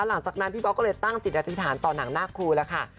หลังจากนั้นพี่บ๊อกก็เลยตั้งจิตอธิษฐานต่อหนังหน้าครูแล้วค่ะ